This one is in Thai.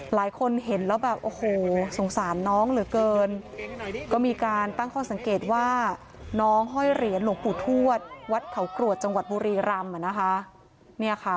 หลายคนเห็นแล้วแบบโอ้โหสงสารน้องเหลือเกินก็มีการตั้งข้อสังเกตว่าน้องห้อยเหรียญหลวงปู่ทวดวัดเขากรวดจังหวัดบุรีรำนะคะ